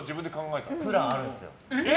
プランあるんですよ。